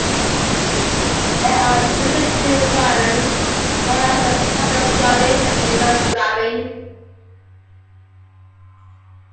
There are usually two variants, known as "patrol scrubbing" and "demand scrubbing".